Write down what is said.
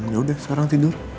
yaudah sekarang tidur